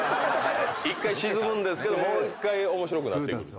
１回沈むんですけどもう１回面白くなってくる。